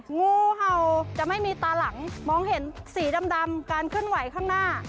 งูเห่าจะไม่มีตาหลังมองเห็นสีดำการเคลื่อนไหวข้างหน้า